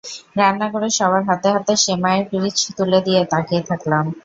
রান্না করে সবার হাতে হাতে সেমাইয়ের পিরিচ তুলে দিয়ে তাকিয়ে থাকলাম।